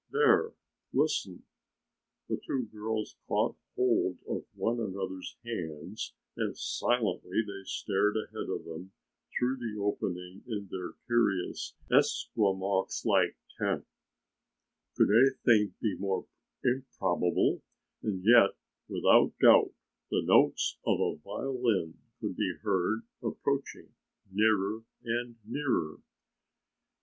There, listen!" The two girls caught hold of one another's hands and silently they stared ahead of them through the opening in their curious, Esquimaux like tent. Could anything be more improbable and yet without doubt the notes of a violin could be heard approaching nearer and nearer.